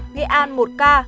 nghệ an một ca